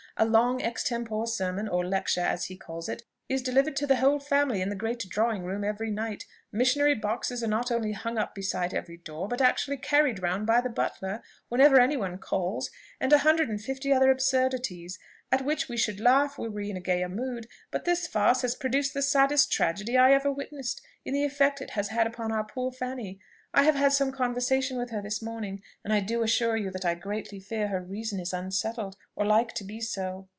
A long extempore sermon, or lecture as he calls it, is delivered to the whole family in the great drawing room every night; missionary boxes are not only hung up beside every door, but actually carried round by the butler whenever any one calls; and a hundred and fifty other absurdities, at which we should laugh were we in a gayer mood: but this farce has produced the saddest tragedy I ever witnessed, in the effect it has had upon our poor Fanny. I have had some conversation with her this morning, and I do assure you that I greatly fear her reason is unsettled, or like to be so."